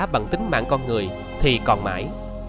bằng tính mạng con người thì còn mãi